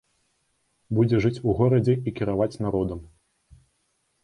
Будзе жыць у горадзе і кіраваць народам.